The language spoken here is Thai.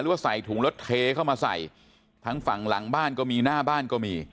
ว่าใส่ถุงแล้วเทเข้ามาใส่ทั้งฝั่งหลังบ้านก็มีหน้าบ้านก็มี